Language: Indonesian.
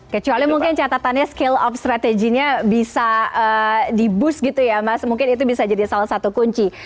kecuali mungkin catatannya skill of strategy nya bisa di boost gitu ya mas mungkin itu bisa jadi salah satu kunci